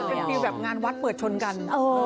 อันนี้มันมีแบบงานวัดเปิดชนกัน